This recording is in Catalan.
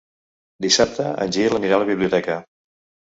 Dissabte en Gil anirà a la biblioteca.